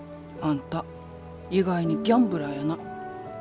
あんた意外にギャンブラーやな。